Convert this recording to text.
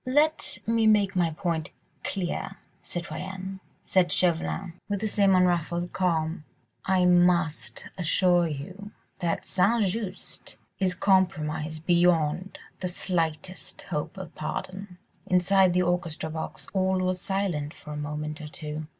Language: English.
"Let me make my point clear, citoyenne," said Chauvelin, with the same unruffled calm, "I must assure you that St. Just is compromised beyond the slightest hope of pardon." Inside the orchestra box all was silent for a moment or two.